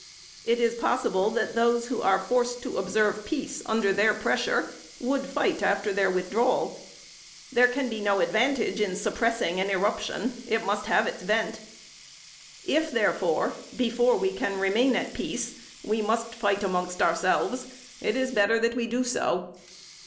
It is possible that those who are forced to observe peace under their pressure would fight after their withdrawal. There can be no advantage in suppressing an eruption, it must have its vent. If, therefore, before we can remain at peace, we must fight amongst ourselves, it is better that we do so.